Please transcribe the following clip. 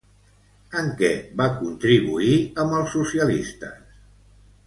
En què va contribuir amb els socialistes?